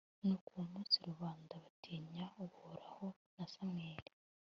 nuko uwo munsi rubanda batinya uhoraho na samweli